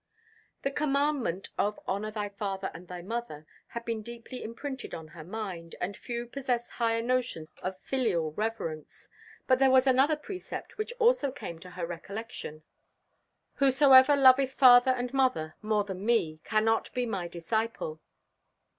The commandment of "Honour thy father and thy mother" had been deeply imprinted on her mind, and few possessed higher notions of filial reverence; but there was another precept which also came to her recollection. "Whosoever loveth father and mother more than me cannot be my disciple."